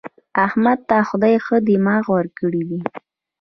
احمد ته خدای ښه دماغ ورکړی دی.